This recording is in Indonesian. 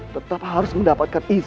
tetap harus mendapatkan izin